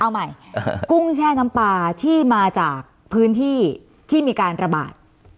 เอาใหม่กุ้งแช่น้ำปลาที่มาจากพื้นที่ที่มีการระบาด